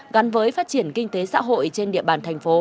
gắn với phát triển kinh tế xã hội trên địa bàn tp hcm